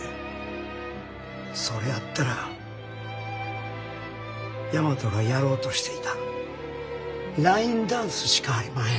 それやったら大和がやろうとしていたラインダンスしかありまへん。